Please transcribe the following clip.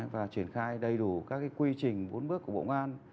và triển khai đầy đủ các cái quy trình vốn bước của bộ ngoan